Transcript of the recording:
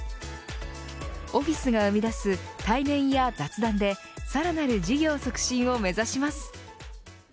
オフィスが生み出す対面や雑談でさらなる事業促進を目指します。